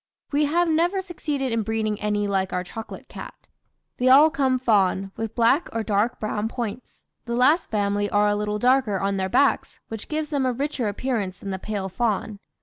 "We have never succeeded in breeding any like our chocolate cat; they all come fawn, with black or dark brown points; the last family are a little darker on their backs, which gives them a richer appearance than the pale fawn.